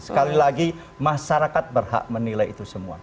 sekali lagi masyarakat berhak menilai itu semua